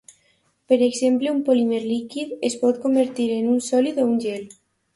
Per exemple un polímer líquid es pot convertir en un sòlid o un gel.